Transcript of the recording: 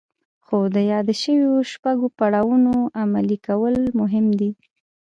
خو د يادو شويو شپږو پړاوونو عملي کول مهم دي.